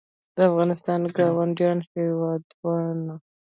د افغانستان ګاونډي هېوادونه